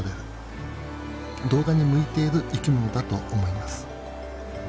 動画に向いている生きものだと思います。